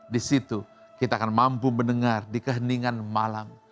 di situ kita akan mampu mendengar di keheningan malam